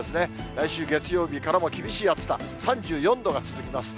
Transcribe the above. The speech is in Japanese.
来週月曜日からも厳しい暑さ、３４度が続きます。